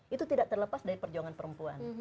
itu tidak terlepas dari perjuangan perempuan